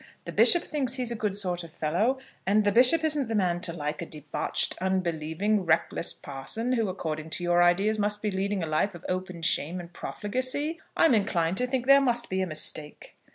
The bishop thinks he is a good sort of fellow, and the bishop isn't the man to like a debauched, unbelieving, reckless parson, who, according to your ideas, must be leading a life of open shame and profligacy. I'm inclined to think there must be a mistake."